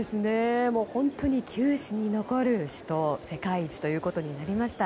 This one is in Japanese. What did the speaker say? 本当に球史に残る死闘世界一ということになりました。